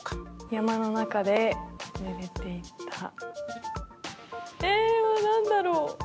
山の中でぬれていたえー、なんだろう。